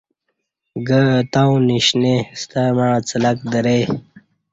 گہ اہ تاؤں نیشنے ستمع اڅہ لک درے